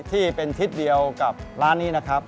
ที่เป็นทิศเดียวกับร้านนี้นะครับ